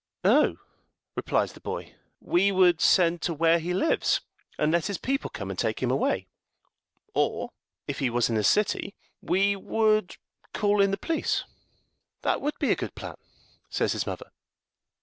"Oh," replies the boy, "we would send to where he lives, and let his people come and take him away; or, if he was in a city, we would call in the police." "That would be a good plan," says his mother.